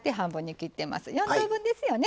４等分ですよね